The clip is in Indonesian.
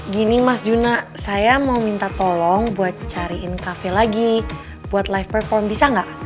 gini mas juna saya mau minta tolong buat cariin cafe lagi buat live perform bisa nggak